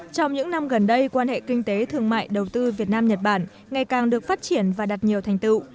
trong những năm gần đây quan hệ kinh tế thương mại đầu tư việt nam nhật bản ngày càng được phát triển và đạt nhiều thành tựu